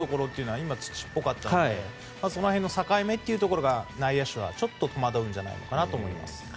ただ、ランナーが走るところは土っぽかったのでその辺の境目というところが内野手はちょっと戸惑うんじゃないかなと思います。